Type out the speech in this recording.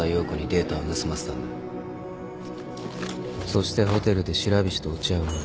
そしてホテルで白菱と落ち合う前。